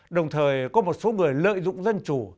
đồng thời có một số người lợi dụng dân chủ